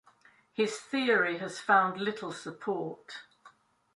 His theory has found little support.